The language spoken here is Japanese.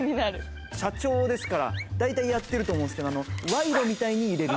社長ですから大体やってると思うんですけど賄賂みたいに入れる。